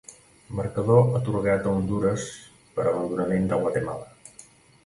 Marcador atorgat a Hondures per abandonament de Guatemala.